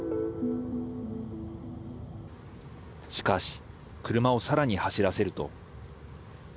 しかし、車をさらに走らせると。